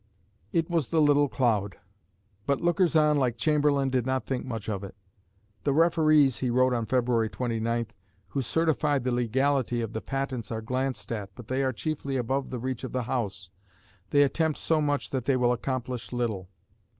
It was the little cloud. But lookers on like Chamberlain did not think much of it. "The referees," he wrote on Feb. 29th, "who certified the legality of the patents are glanced at, but they are chiefly above the reach of the House; they attempt so much that they will accomplish little."